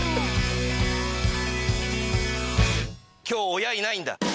今日親いないんだ。